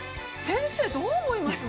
先生どう思います？